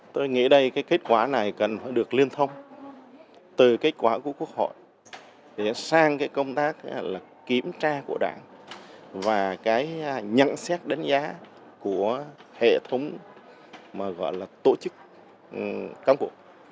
tôi nghĩ đây cái kết quả này cần phải được liên thông từ kết quả của quốc hội để sang cái công tác kiểm tra của đảng và cái nhận xét đánh giá của hệ thống mà gọi là tổ chức cán bộ